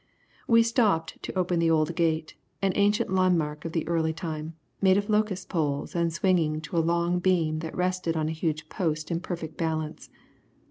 We stopped to open the old gate, an ancient landmark of the early time, made of locust poles, and swinging to a long beam that rested on a huge post in perfect balance.